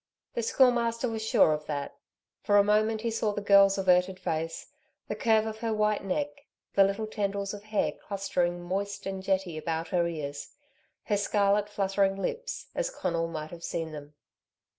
The Schoolmaster was sure of that. For a moment he saw the girl's averted face, the curve of her white neck, the little tendrils of hair clustering moist and jetty about her ears, her scarlet fluttering lips, as Conal might have seen them.